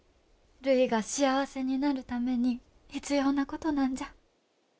るいが幸せになるために必要なことなんじゃ。